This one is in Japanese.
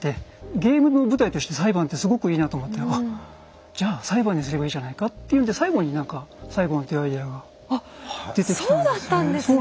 ゲームの舞台として裁判ってすごくいいなと思って「あじゃあ裁判にすればいいじゃないか」っていうんで最後に何か裁判っていうアイデアが出てきたんですね。